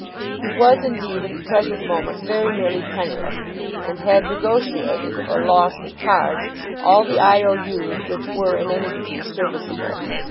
He was, indeed, at the present moment very nearly penniless, and had negotiated, or lost at cards, all the I.O.U.'s which were in any degree serviceable.